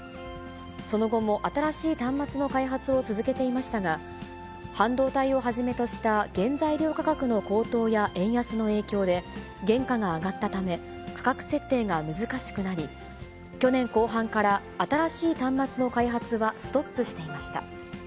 その後も新しい端末の開発を続けていましたが、半導体をはじめとした原材料価格の高騰や円安の影響で、原価が上がったため、価格設定が難しくなり、去年後半から新しい端末の開発はストップしていました。